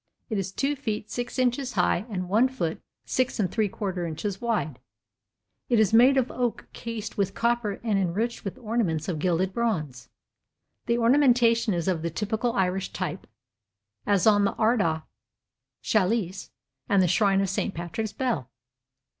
It is 2 feet 6 inches high and 1 foot 6 3/4 inches wide. It is made of oak cased with copper and enriched with ornaments of gilded bronze. The ornamentation is of the typical Irish type, as on the Ardagh Chalice and the Shrine of St. Patrick's Bell.